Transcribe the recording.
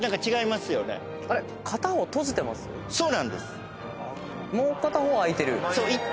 そうなんです。